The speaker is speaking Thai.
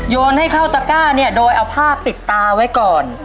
โยนให้เข้าตะก้าเนี่ยโดยเอาผ้าปิดตาไว้ก่อน